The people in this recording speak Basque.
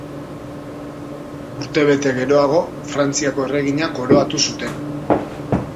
Urtebete geroago, Frantziako erregina koroatu zuten.